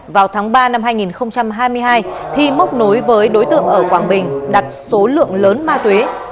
vào tháng ba năm hai nghìn hai mươi hai thi móc nối với đối tượng ở quảng bình đặt số lượng lớn ma túy